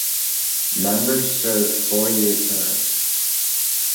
Members serve four-year terms.